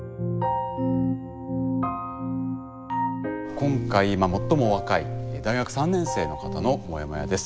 今回最もお若い大学３年生の方のモヤモヤです。